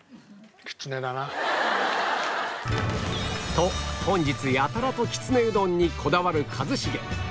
と本日やたらときつねうどんにこだわる一茂